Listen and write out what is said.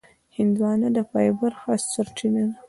هندوانه د فایبر ښه سرچینه ده.